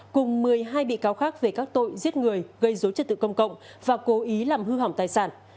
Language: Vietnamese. cùng một mươi hai bị cáo khác về các tội giết người gây dối trật tự công cộng và cố ý làm hư hỏng tài sản